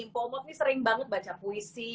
mpok omot ini sering banget baca puisi